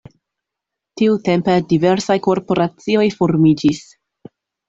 Tiutempe diversaj korporacioj formiĝis.